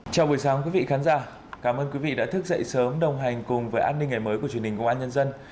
chào buổi sáng quý vị khán giả cảm ơn quý vị đã thức dậy sớm đồng hành cùng với an ninh ngày mới của truyền hình công an nhân dân